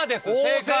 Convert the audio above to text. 正解！